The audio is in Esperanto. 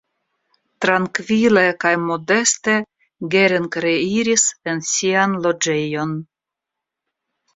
Trankvile kaj modeste Gering reiris en sian loĝejon.